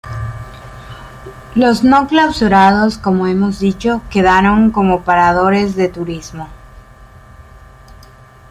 Los no clausurados como hemos dicho quedaron como Paradores de Turismo.